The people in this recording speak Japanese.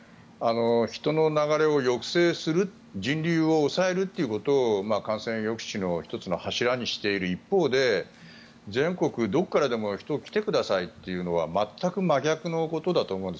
人の流れを抑制する人流を抑えるということを感染抑止の１つの柱にしている一方で全国どこからでも人、来てくださいというのは全く真逆のことだと思うんです。